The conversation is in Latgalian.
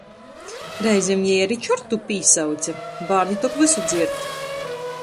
Reizem jei ari čortu pīsauce, bārni tok vysu dzierd.